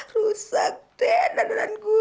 rusak deh dandanan gue